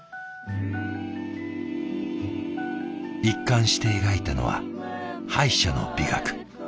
一貫して描いたのは敗者の美学。